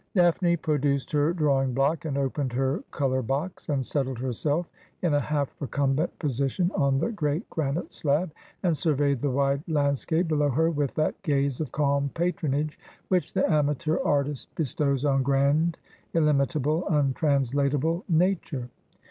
Daphne produced her drawing block and opened her colour box, and settled herself in a half recumbent position on the great granite slab, and surveyed the wide landscape below her with that gaze of calm patronage which the amateur artist be stows on grand, illimitable, untranslatable Nature.